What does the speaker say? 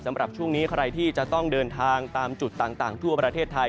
สำหรับช่วงนี้ใครที่จะต้องเดินทางตามจุดต่างทั่วประเทศไทย